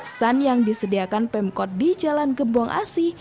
stand yang disediakan pemkot di jalan gembong asi